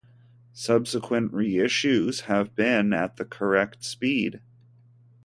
Subsequent reissues have been at the correct speed.